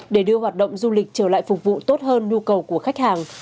để đưa hoạt động du lịch trở lại phục vụ tốt hơn nhu cầu của khách hàng